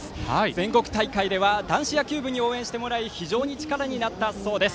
全国大会では男子野球部に応援してもらい非常に力になったそうです。